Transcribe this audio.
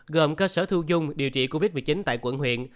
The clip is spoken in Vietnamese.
gồm cơ sở thu dung điều trị covid một mươi chín tại quận huyện